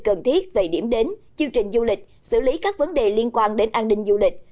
cần thiết về điểm đến chương trình du lịch xử lý các vấn đề liên quan đến an ninh du lịch